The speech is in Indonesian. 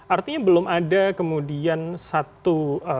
artinya belum ada kemudian satu